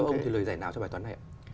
là một quyền lợi rất khó